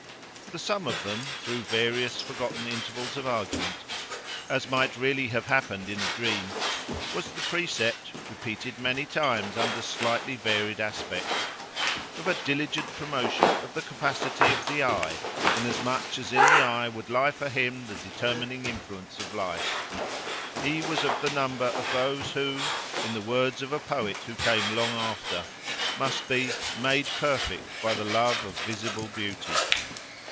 The sum of them, through various forgotten intervals of argument, as might really have happened in a dream, was the precept, repeated many times under slightly varied aspects, of a diligent promotion of the capacity of the eye, inasmuch as in the eye would lie for him the determining influence of life: he was of the number of those who, in the words of a poet who came long after, must be "made perfect by the love of visible beauty."